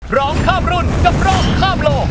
ร้องข้ามรุ่นกับรอบข้ามโลก